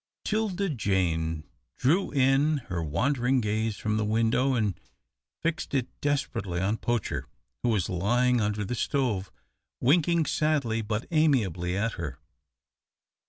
'Tilda Jane drew in her wandering gaze from the window, and fixed it desperately on Poacher, who was lying under the stove winking sadly but amiably at her.